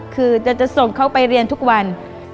คือจะส่งเขาไปเรียนทุกวัน